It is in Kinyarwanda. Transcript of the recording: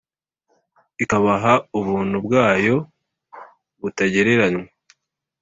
ikabaha ubuntu bwayo butagereranywa